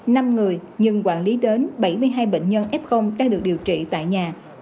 năm người nhưng quản lý đến bảy mươi hai bệnh nhân f đang được điều trị tại nhà